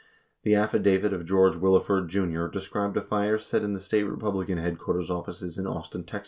28 The affidavit of George Willeford, Jr., described a fire set in the State Republican headquarters offices in Austin, Tex.